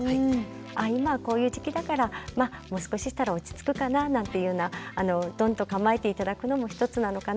今はこういう時期だからもう少ししたら落ち着くかななんていうふうなドンと構えて頂くのも一つなのかなと思います。